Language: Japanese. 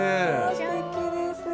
すてきです。